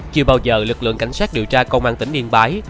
chưa bao giờ lực lượng cảnh sát điều tra công an tỉnh yên bái